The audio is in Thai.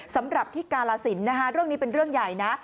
สำหรับที่กาลสินนะคะเรื่องนี้เป็นเรื่องใหญ่นะ